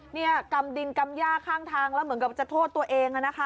เนี่ยกำดินกำยากข้างทางแล้วเหมือนกับจะโทษตัวเองแล้วนะคะ